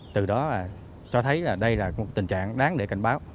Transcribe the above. từ đó cho thấy là đây là một tình trạng đáng để cảnh báo